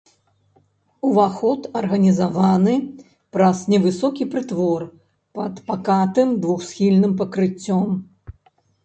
Уваход арганізаваны праз невысокі прытвор пад пакатым двухсхільным пакрыццём.